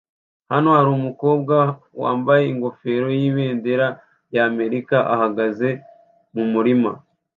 Hano harumukobwa wambaye ingofero yibendera ya Amerika ahagaze mumurima